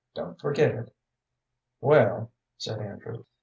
Don't forget it." "Well," said Andrew.